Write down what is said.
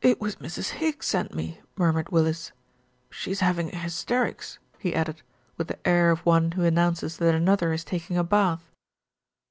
"It was Mrs. Higgs sent me," murmured Willis. "She's having hysterics," he added, with the air of one who announces that another is taking a bath.